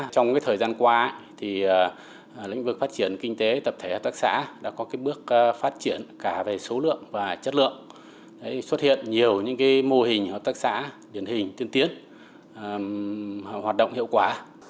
trong thời gian qua lĩnh vực phát triển kinh tế tập thể hợp tác xã đã có bước phát triển cả về số lượng và chất lượng xuất hiện nhiều những mô hình hợp tác xã điển hình tiên tiến hoạt động hiệu quả